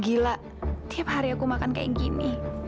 gila tiap hari aku makan kayak gini